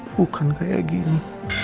bukan kayak gini